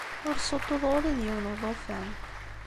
Ur ssuṭṭuḍeɣ ula d yiwen n ulufan.